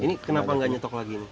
ini kenapa enggak nyetok lagi